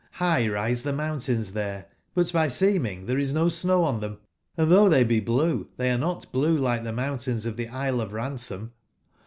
Rigb rise tbe mountains tbere, but by seeming tbere is no snow on tbem ;& tbougb tbey be blue tbey are not blue like tbe mountains of tbe Isle of Ransom.